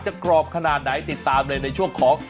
กรอบขนาดไหนติดตามเลยในช่วงของ